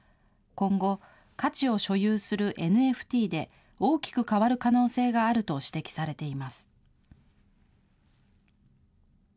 今後、価値を所有するＮＦＴで、大きく変わる可能性があると指摘されています。